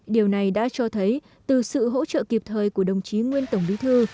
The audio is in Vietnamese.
điều này đã cho thấy từ sự hỗ trợ kịp thời của đồng chí nguyên tổng bí thư